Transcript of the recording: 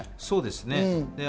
そうですね。